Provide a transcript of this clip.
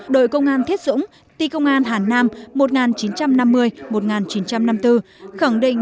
đội công an thiết dũng ti công an hàn nam một nghìn chín trăm năm mươi một nghìn chín trăm năm mươi bốn khẳng định